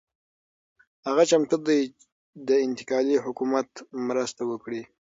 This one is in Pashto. هغه چمتو دی د انتقالي حکومت مرسته وکړي.